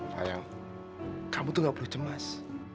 sayang kamu tuh gak boleh cemas